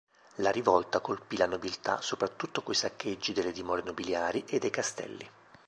La rivolta colpì la nobiltà soprattutto coi saccheggi delle dimore nobiliari e dei castelli.